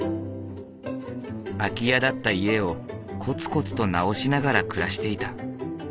空き家だった家をコツコツと直しながら暮らしていた。